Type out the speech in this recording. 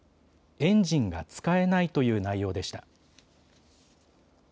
エンジンが使えないという内容でした。